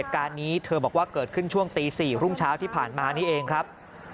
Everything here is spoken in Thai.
ขอบคุณครับ